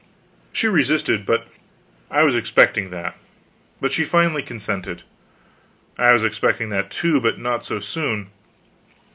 She resisted; but I was expecting that. But she finally consented. I was expecting that, too, but not so soon.